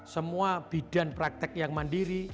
semua bidan praktek yang mandiri